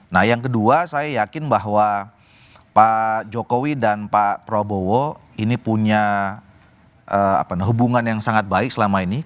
nah yang kedua saya yakin bahwa pak jokowi dan pak prabowo ini punya hubungan yang sangat baik selama ini